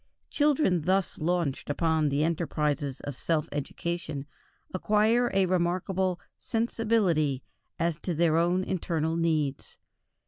Children thus launched upon the enterprises of self education acquire a remarkable "sensibility" as to their own internal needs.